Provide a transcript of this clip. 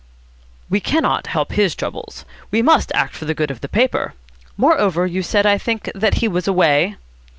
"We cannot help his troubles. We must act for the good of the paper. Moreover, you said, I think, that he was away?"